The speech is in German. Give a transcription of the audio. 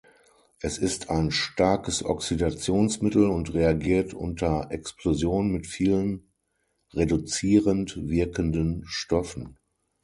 Es ist ein starkes Oxidationsmittel und reagiert unter Explosion mit vielen reduzierend wirkenden Stoffen.